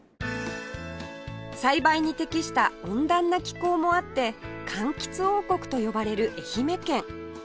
栽培に適した温暖な気候もあって柑橘王国と呼ばれる愛媛県